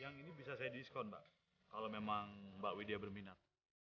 yang ini bisa saya diskon mbak kalau memang mbak widya berminat